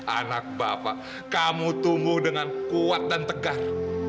anak bapak kamu tumbuh dengan kuat dan tegar